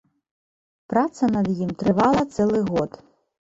Праца над ім трывала цэлы год.